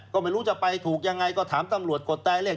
ก็ไม่รู้จะไปถูกยังไงก็ถามตำรวจกดตายเลข